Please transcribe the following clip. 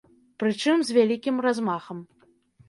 Прычым з вялікім размахам.